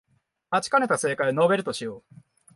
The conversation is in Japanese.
待ちかねた正解を述べるとしよう